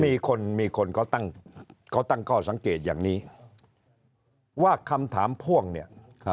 มีคนมีคนเขาตั้งเขาตั้งข้อสังเกตอย่างนี้ว่าคำถามพ่วงเนี่ย